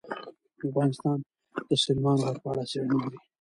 افغانستان د سلیمان غر په اړه څېړنې لري.